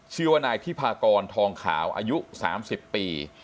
เชื่อวนายพิพากรทองขาวอายุสามสิบปี